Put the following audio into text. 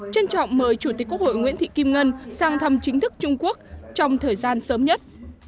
trân trọng mời chủ tịch quốc hội nguyễn thị kim ngân sang thăm chính thức trung quốc trong thời gian sớm nhất